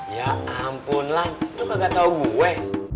ya ampun lah luka gak tau gue